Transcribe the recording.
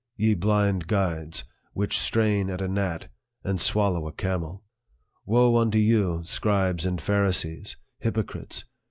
Ye blind guides ! which strain at a gnat, and swallow a camel. Woe unto you, scribes and Pharisees, hypo crites